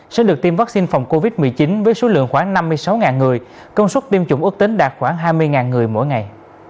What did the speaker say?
sẽ được tiêm vaccine phòng covid một mươi chín với số lượng khoảng năm mươi sáu người công suất tiêm chủng ước tính đạt khoảng hai mươi người mỗi ngày